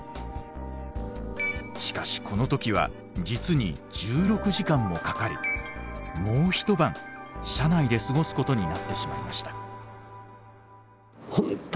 しかしこの時は実に１６時間もかかりもう一晩車内で過ごすことになってしまいました。